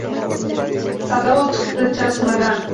Sado chikdi chashmadan: